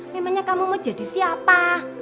memangnya kamu mau jadi siapa